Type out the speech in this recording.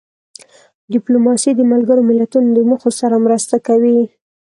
ډیپلوماسي د ملګرو ملتونو د موخو سره مرسته کوي.